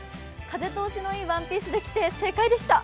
風通しのいいワンピースで来て正解でした。